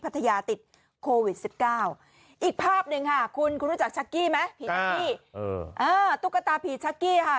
ภัทยาติดโควิด๑๙อีกภาพหนึ่งค่ะคุณรู้จักชักกี้ไหมตุ๊กตาผีชักกี้ค่ะ